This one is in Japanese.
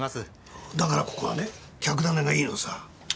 だからここはね客種がいいのさ。